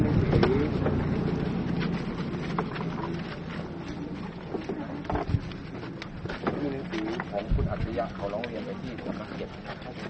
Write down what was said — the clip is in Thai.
ผมสู้นี้เองคือของคุณาศึอยะเขาเราียงในที่มาเก็บอัพเดช